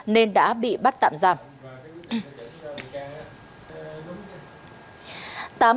nên đã bị bắt tạm giam